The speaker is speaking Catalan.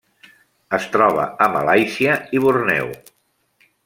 Es troba a Malàisia i Borneo.